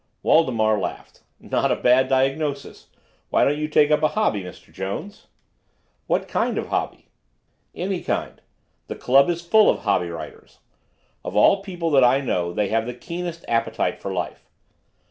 Waldemar laughed. "Not a bad diagnosis. Why don't you take up a hobby, Mr. Jones?" "What kind of a hobby?" "Any kind. The club is full of hobby riders. Of all people that I know, they have the keenest appetite for life.